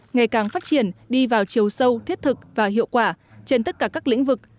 ngày càng phát triển đi vào chiều sâu thiết thực và hiệu quả trên tất cả các lĩnh vực